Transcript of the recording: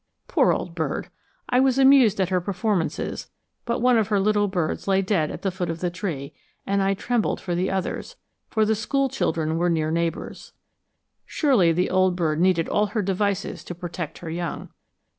Poor old bird! I was amused at her performances, but one of her little birds lay dead at the foot of the tree, and I trembled for the others, for the school children were near neighbors. Surely the old bird needed all her devices to protect her young.